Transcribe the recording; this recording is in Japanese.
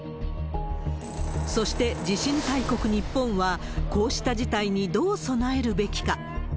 そして、地震大国、日本はこうした事態にどう備えるべきか。